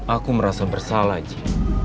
aku merasa bersalah ji